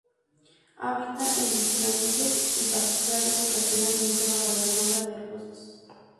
Habita en planicies y pastizales, ocasionalmente bajo la sombra de arbustos.